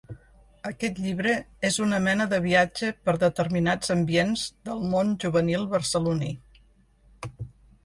Aquest llibre és una mena de viatge per determinats ambients del món juvenil barceloní.